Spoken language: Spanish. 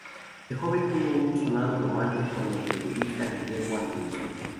De joven tuvo un sonado romance con el periodista Guillermo Andino.